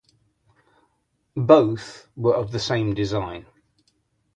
Both were of the same design.